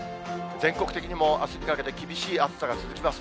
全国的にもあすにかけて厳しい暑さが続きます。